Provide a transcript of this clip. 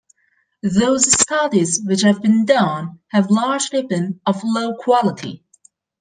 Those studies which have been done have largely been of low quality.